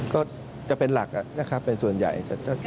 ก็จะเป็นหลักก็เป็นส่วนใหญ่